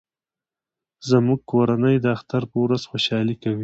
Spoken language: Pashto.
زموږ کورنۍ د اختر په ورځ خوشحالي کوي